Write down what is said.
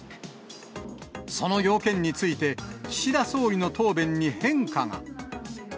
その要件について、岸田総理の答弁に変化が。